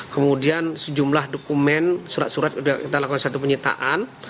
kemudian sejumlah dokumen surat surat sudah kita lakukan satu penyitaan